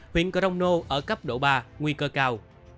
huyện crono ở cấp độ ba nguy cơ cao